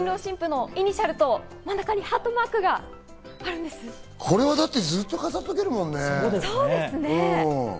新郎新婦のイニシャルと、真ん中にハートマークがこれはだって、ずっと飾っておけるもんね。